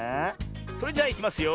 それじゃあいきますよ。